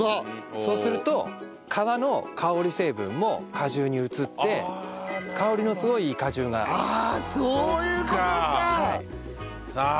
そうすると皮の香り成分も果汁に移って香りのすごくいい果汁が。ああ！